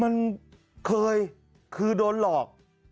มันเคยคือโดนหลอก